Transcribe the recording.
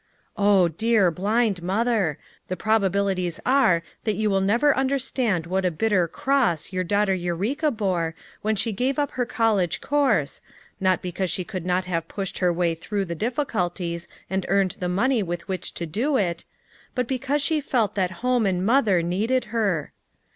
Oh. dear blind mother ! the probabilities are FOUR MOTHERS AT CHAUTAUQUA 71 that you will never understand what a bitter cross your daughter Eureka bore when she gave up her college course, not because she could not have pushed her way through the difficulties and earned the money with which to do it — but because she felt that home and mother needed her.